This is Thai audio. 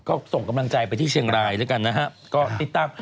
ก็ส่งกำลังใจไปที่เชียงรายด้วยกันนะฮะก็ติดตาม